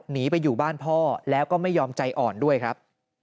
หนีไปอยู่บ้านพ่อแล้วก็ไม่ยอมใจอ่อนด้วยครับ